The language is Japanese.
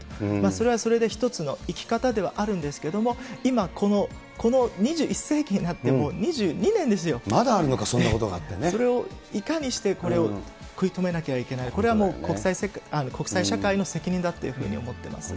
それはそれで一つの生き方ではあるんですけれども、今この、この２１世紀になっても、２２年まだあるのか、そんなことがそれをいかにしてこれを食い止めなければいけない、これはもう国際社会の責任だというふうに思ってます。